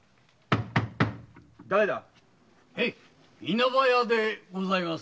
稲葉屋でございます。